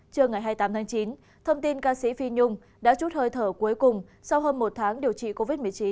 trưa ngày hai mươi tám tháng chín thông tin ca sĩ phi nhung đã chút hơi thở cuối cùng sau hơn một tháng điều trị covid một mươi chín